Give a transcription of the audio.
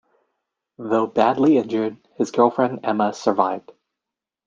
Though badly injured, his girlfriend Emma survived.